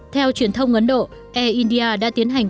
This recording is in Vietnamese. theo truyền thông ấn độ e india đã tiến hành